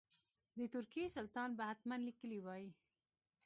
د ترکیې سلطان به حتما لیکلي وای.